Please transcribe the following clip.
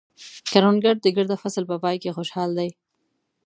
کروندګر د ګرده فصل په پای کې خوشحال دی